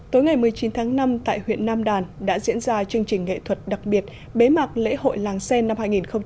tối ngày một mươi chín tháng năm tại huyện nam đàn đã diễn ra chương trình nghệ thuật đặc biệt bế mạc lễ hội làng xen năm hai nghìn một mươi chín